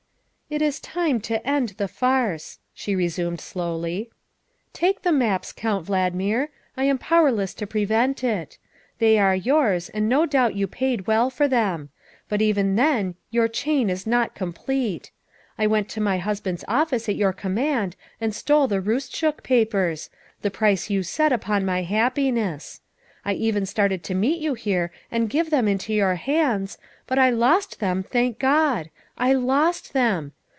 "It is time to end the farce," she resumed slowly. " Take the maps, Count Valdmir; I am powerless to prevent it. They are yours, and no doubt you paid well for them. But even then your chain is not com plete. I went to my husband's office at your command and stole the Roostchook papers the price you set upon my happiness. I even started to meet you here and give them into your hands, but I lost them, thank God! I lost them.